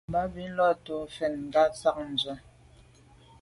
Bɑ̀ búnə́ lá tɔ̌ fɛ̀n ngə ndzɑ̂k ncwɛ́n.